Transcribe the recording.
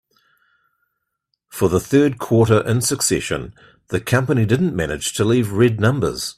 For the third quarter in succession, the company didn't manage to leave red numbers.